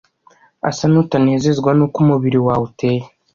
usa n’utanezezwa n’uko umubiri wawe uteye